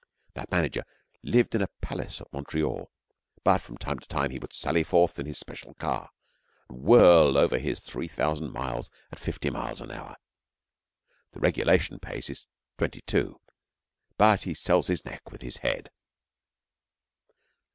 That manager lived in a palace at Montreal, but from time to time he would sally forth in his special car and whirl over his 3000 miles at 50 miles an hour. The regulation pace is twenty two, but he sells his neck with his head.